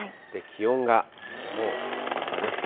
気温がもうまたね。